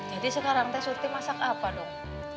jadi sekarang teh surti masak apa dong